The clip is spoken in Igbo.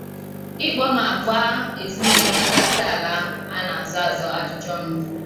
ịkpọ ma gbaa ezinụlọ nwegasị ala ahụ a na-azọ azọ ajụjụ ọnụ